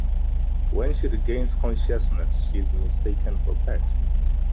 When she regains consciousness, she is mistaken for Pat.